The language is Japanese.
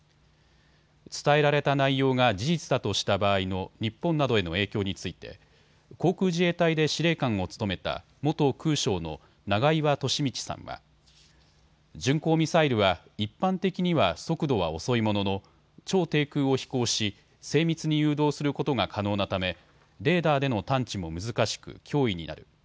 伝えられた内容が事実だとした場合の日本などへの影響について航空自衛隊で司令官を務めた元空将の永岩俊道さんは巡航ミサイルは一般的には速度は遅いものの超低空を飛行し、精密に誘導することが可能なためレーダーでの探知も難しく脅威になる。